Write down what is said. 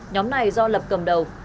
nhóm này do lập cầm đầu